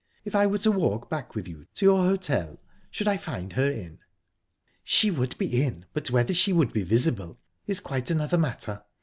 If I were to walk back with you to your hotel, should I find her in?" "She would be in, but whether she would be visible is quite another matter.